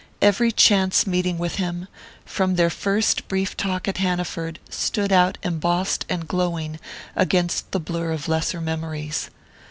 Every chance meeting with him, from their first brief talk at Hanaford, stood out embossed and glowing against the blur of lesser memories.